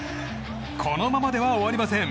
このままでは終わりません。